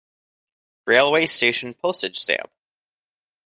Railway station Postage stamp.